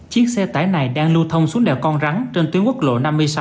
chiếc xe tải này đang lưu thông xuống đèo con rắn trên tuyến quốc lộ năm mươi sáu